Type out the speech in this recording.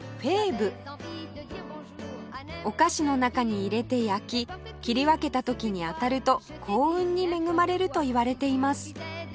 お菓子の中に入れて焼き切り分けた時に当たると幸運に恵まれるといわれています